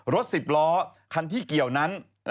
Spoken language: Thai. รถ๑๐ล้อคันที่เกี่ยวนั้น